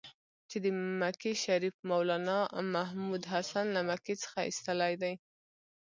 چې د مکې شریف مولنا محمودحسن له مکې څخه ایستلی دی.